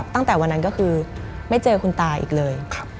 ตั้งแต่วันนั้นก็คือไม่เจอคุณตาอีกเลย